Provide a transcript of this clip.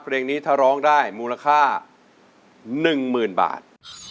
เพลงนี้ถ้าร้องได้มูลค่า๑๐๐๐บาท